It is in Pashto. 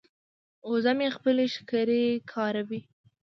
وزه مې خپلې ښکرې کاروي.